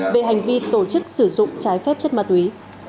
về hành vi tổ chức sử dụng trái phép chất ma túy